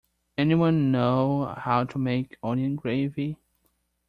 Anyone know how to make onion gravy?